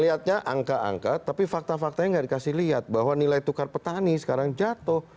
lihatnya angka angka tapi fakta faktanya nggak dikasih lihat bahwa nilai tukar petani sekarang jatuh